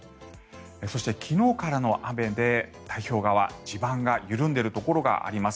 そして昨日からの雨で太平洋側地盤が緩んでいるところがあります。